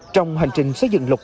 trong hành trình xây dựng lộc yên